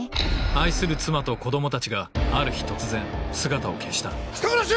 愛する妻と子供たちがある日突然姿を消した人殺し！